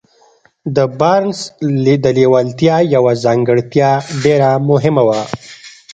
د بارنس د لېوالتیا يوه ځانګړتيا ډېره مهمه وه.